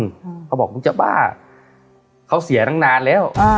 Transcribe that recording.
เขาบอกมึงจะบ้าเขาเสียตั้งนานแล้วอ่า